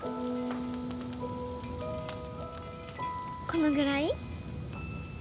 このぐらい？